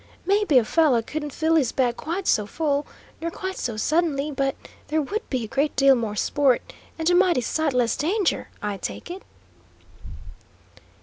Maybe a fellow couldn't fill his bag quite so full, nor quite so suddenly, but there would be a great deal more sport, and a mighty sight less danger, I take it!"